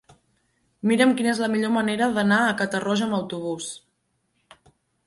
Mira'm quina és la millor manera d'anar a Catarroja amb autobús.